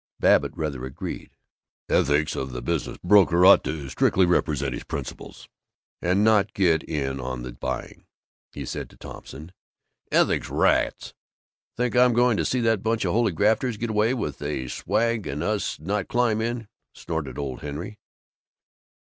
Babbitt rather agreed. "Ethics of the business broker ought to strictly represent his principles and not get in on the buying," he said to Thompson. "Ethics, rats! Think I'm going to see that bunch of holy grafters get away with the swag and us not climb in?" snorted old Henry.